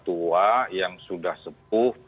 tua yang sudah sepuh